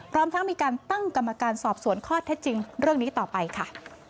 พร้อมทั้งมีการตั้งกรรมการสอบสวนข้อเท็จจริงเรื่องนี้ต่อไปค่ะ